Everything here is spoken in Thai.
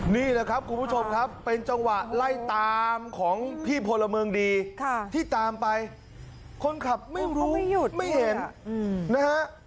นี่แหละครับคุณผู้ชมครับเป็นจังหวะไล่ตามของพี่พลเมืองดีที่ตามไปคนขับไม่รู้ไม่เห็นนะฮะ